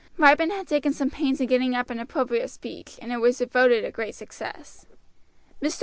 Ripon had taken some pains in getting up an appropriate speech, and it was voted a great success. "Mr.